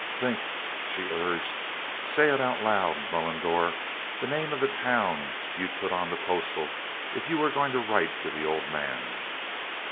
"Think!" she urged. "Say it out loud, Mullendore the name of the town you'd put on the postal if you were going to write to the 'Old Man.'"